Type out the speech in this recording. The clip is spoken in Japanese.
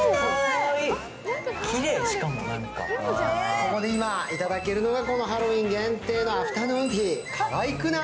ここでいただけるのがハロウィーン限定のアフタヌーンティー、かわいくない？